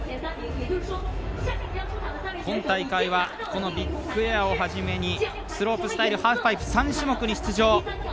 今大会はこのビッグエアをはじめにスロープスタイル、ハーフパイプ３種目に出場。